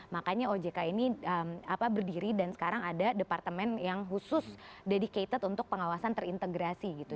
makanya ojk ini berdiri dan sekarang ada departemen yang khusus dedicated untuk pengawasan terintegrasi gitu